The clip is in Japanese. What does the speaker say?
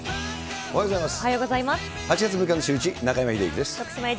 おはようございます。